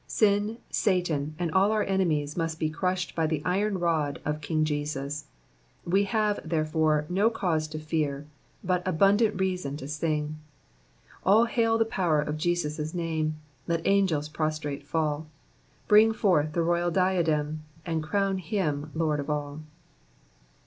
Sin, Satan, and all our enemies must be crushed by the iron rod of King Jesus. We have, therefore, no cause to fear ; but abimdant reason to sing— •* All hail the power of Jesns* name 1 Let nnv:els prostrate fall, Brin>^ forth the royal diadem, Aud crown liiiit loi d of all."